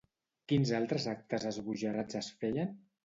Quins altres actes esbojarrats es feien?